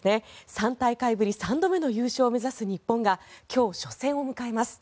３大会ぶり３度目の優勝を目指す日本が今日、初戦を迎えます。